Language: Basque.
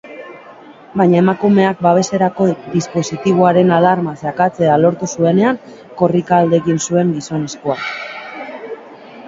Baina emakumeak babeserako dispositiboaren alarma sakatzea lortu zuenean korrika alde egin zuen gizonezkoak.